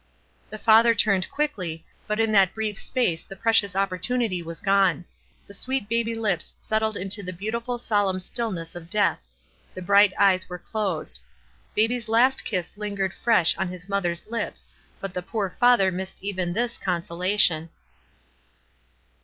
" The father turned quickly, but in that brief space the precious opportunity was gone ; the sweet baby lips settled into the beautiful solemn stillness of death ; the bright e} 7 es were closed ; baby's last kiss lingered fresh on his mother's lips, but the poor father missed even this conso lation.